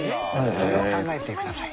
それを考えてください。